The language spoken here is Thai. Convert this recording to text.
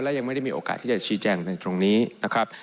และยังไม่ได้มีโอกาสที่จะชี้แจงในตรงนี้นะครับ